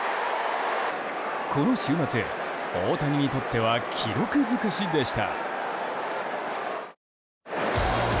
この週末、大谷にとっては記録尽くしでした。